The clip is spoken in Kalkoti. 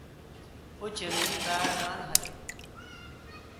اوں چمینی باڑران خلق۔